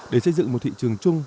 để xây dựng một thị trường chung